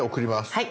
はい。